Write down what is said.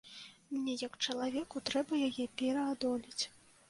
Мне як чалавеку трэба яе пераадолець.